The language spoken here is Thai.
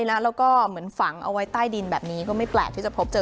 แล้วก็เหมือนฝังเอาไว้ใต้ดินแบบนี้ก็ไม่แปลกที่จะพบเจอ